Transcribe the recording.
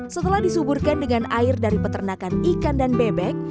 setelah disuburkan dengan air dari peternakan ikan dan bebek